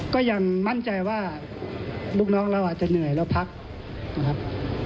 ก็ยังมั่นใจว่าลูกน้องเราอาจจะเหนื่อยแล้วพักนะครับ